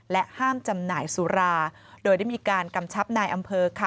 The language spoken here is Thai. ห้ามจำหน่ายสุราโดยได้มีการกำชับนายอำเภอค่ะ